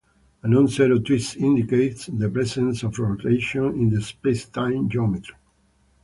A non-zero twist indicates the presence of rotation in the spacetime geometry.